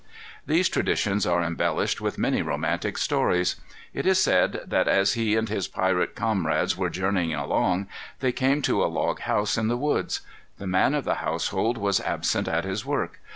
These traditions are embellished with many romantic stories. It is said that as he and his piratic comrades were journeying along, they came to a log house in the woods. The man of the household was absent at his work.